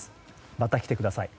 また来てください。